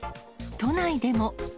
都内でも。